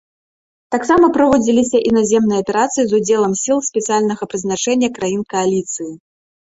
Таксама праводзіліся і наземныя аперацыі з удзелам сіл спецыяльнага прызначэння краін кааліцыі.